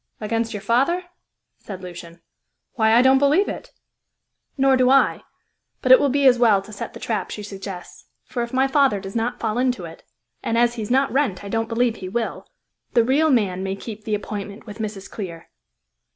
"Against your father?" said Lucian. "Why, I don't believe it!" "Nor do I; but it will be as well to set the trap she suggests; for if my father does not fall into it and as he is not Wrent, I don't believe he will the real man may keep the appointment with Mrs. Clear."